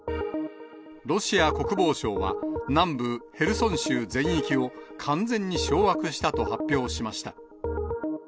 ロシア国防省は、南部ヘルソン州全域を、完全に掌握したと発表しました。